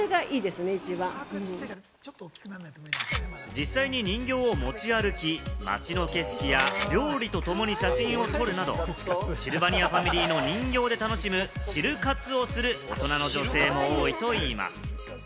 実際に人形を持ち歩き、街の景色や料理と共に写真を撮るなど、シルバニアファミリーの人形で楽しむシル活をする大人の女性も多いといいます。